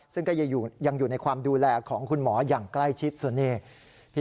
ซึ่งก็ยังอยู่ในความดูแลของคุณหมออย่างใกล้ชิดส่วนนี้